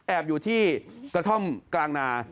อยู่ที่กระท่อมกลางนา